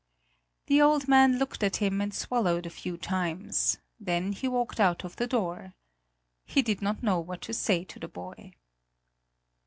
The old man looked at him and swallowed a few times, then he walked out of the door. He did not know what to say to the boy.